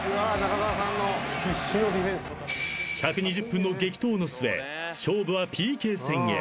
［１２０分の激闘の末勝負はＰＫ戦へ］